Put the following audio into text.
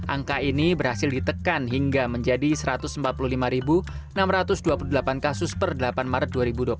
angka ini berhasil ditekan hingga menjadi satu ratus empat puluh lima enam ratus dua puluh delapan kasus per delapan maret dua ribu dua puluh satu